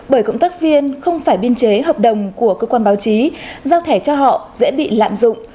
bởi cộng tác viên không phải biên chế hợp đồng của cơ quan báo chí giao thẻ cho họ dễ bị lạm dụng